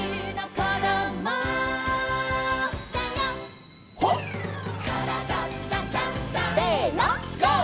「からだダンダンダン」せのＧＯ！